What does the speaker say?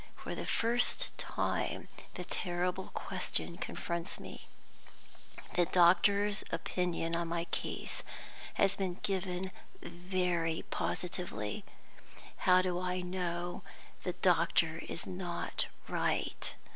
For the first time, the terrible question confronts me: The doctor's opinion on my case has been given very positively. How do I know that the doctor is not right?